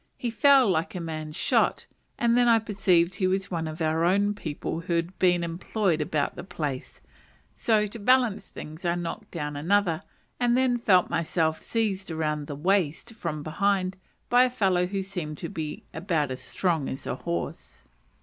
He fell like a man shot, and I then perceived he was one of our own people who had been employed about the place; so, to balance things, I knocked down another, and then felt myself seized round the waist from behind, by a fellow who seemed to be about as strong as a horse.